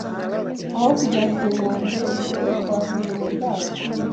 Aho kujya ku nkombe, twagumye mu bwato.